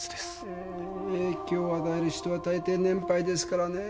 えー影響を与える人は大抵年配ですからねぇ。